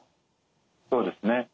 そうですね。